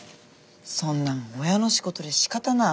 そんなん親の仕事でしかたなあ。